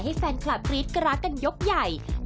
แฟนคลับกรี๊ดกราดกันยกใหญ่